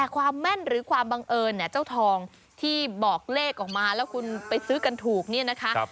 ความแม่นหรือความบังเอิญนและเจ้าทองที่บอกเลขออกมาแล้วไปซื้อกันถูกนะคะ